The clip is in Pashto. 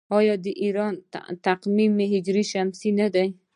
آیا د ایران تقویم هجري شمسي نه دی؟